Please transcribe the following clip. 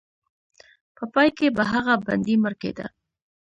په پای کې به هغه بندي مړ کېده.